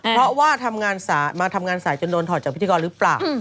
เพราะว่ามาทำงานสายจนโดนถอดจากพิธีกรหรือเปล่า